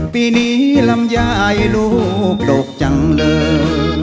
ปีนี้ลำยายลูกดกจังเลย